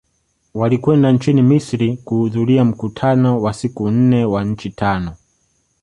Walikwenda nchini Misri kuhudhuria mkutano wa siku nne wa nchi tano